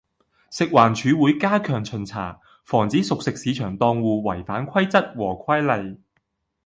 食環署會加強巡查，防止熟食市場檔戶違反規則和規例